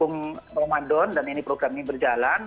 sebelum ramadan dan ini program ini berjalan